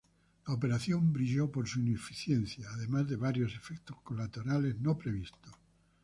La Operación brilló por su ineficiencia, además de varios efectos colaterales no previstos.